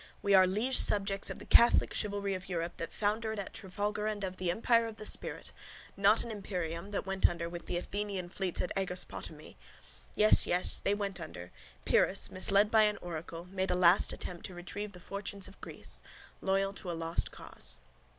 We are liege subjects of the catholic chivalry of Europe that foundered at Trafalgar and of the empire of the spirit, not an imperium, that went under with the Athenian fleets at Aegospotami. Yes, yes. They went under. Pyrrhus, misled by an oracle, made a last attempt to retrieve the fortunes of Greece. Loyal to a lost cause.